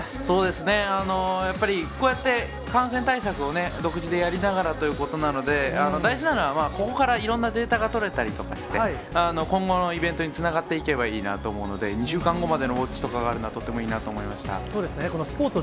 やっぱり、こうやって感染対策を独自でやりながらということなので、大事なのは、ここからいろんなデータが取れたりとかして、今後のイベントにつながっていければいいなと思うので、２週間後までの動きがあるのはとてもいいなと思いました。